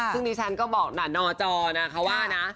ซึ่งดิฉันก็บอกนะนอจอนะคะว่านะ